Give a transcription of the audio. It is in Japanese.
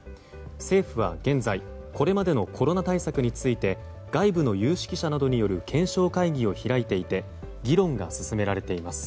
政府は現在これまでのコロナ対策について外部の有識者などによる検証会議を開いていて議論が進められています。